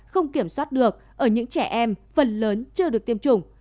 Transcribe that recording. không kiểm soát được ở những trẻ em phần lớn chưa được tiêm chủng